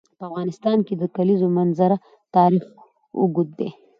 په افغانستان کې د د کلیزو منظره تاریخ اوږد دی.